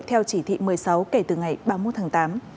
theo chỉ thị một mươi sáu kể từ ngày ba mươi một tháng tám